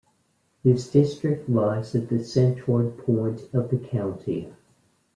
This district lies at the centroid point of the country.